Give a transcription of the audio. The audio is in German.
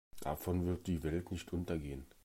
Davon wird die Welt nicht untergehen.